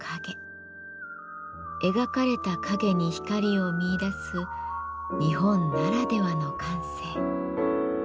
描かれた影に光を見いだす日本ならではの感性。